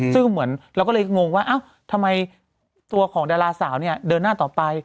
ซึ่งเหมือนเราก็เลยงงว่าเอ้าทำไมตัวของดาราสาวเนี่ยเดินหน้าต่อไป